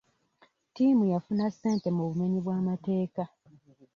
Ttimu yafuna ssente mu bumenyi bw'amateeka.